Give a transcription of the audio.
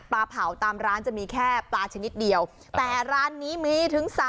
เผาตามร้านจะมีแค่ปลาชนิดเดียวแต่ร้านนี้มีถึง๓๐